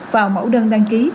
vào mẫu đơn đăng ký